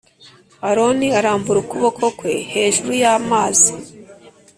Aroni arambura ukuboko kwe hejuru y amazi